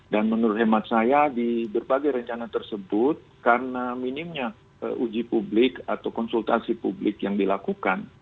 dan menurut hemat saya di berbagai rencana tersebut karena minimnya uji publik atau konsultasi publik yang dilakukan